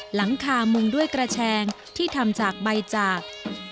หลังคามุงด้วยกระแชงที่ทำจากใบจาก